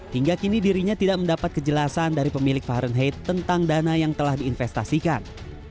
hingga kini dirinya tidak mendapat kejelasan dari pemilik fahrenheit tentang dana yang telah diinvestasikan